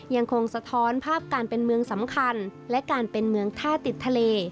ยังคงสะท้อนภาพการเป็นเมืองสำคัญและการเป็นเมืองท่าติดทะเล